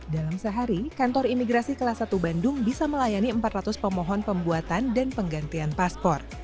dalam sehari kantor imigrasi kelas satu bandung bisa melayani empat ratus pemohon pembuatan dan penggantian paspor